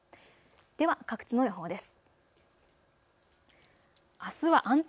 では各地の予報です。